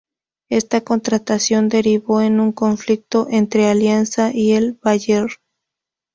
Esta contratación derivó en un conflicto entre Alianza y el Bayern.